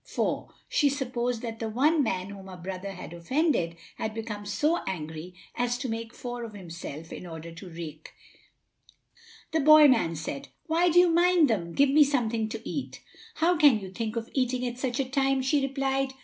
for | she supposed that the one man whom her brother had offended had become so angry as to make four of himself in order to wreak his vengeance. The boy man said, "Why do you mind them? Give me something to eat." "How can you think of eating at such a time?" she replied.